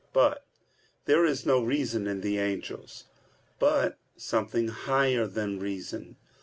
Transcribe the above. But there is no reason in the angels, but something higher than reason.